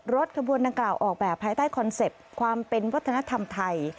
ขบวนดังกล่าวออกแบบภายใต้คอนเซ็ปต์ความเป็นวัฒนธรรมไทย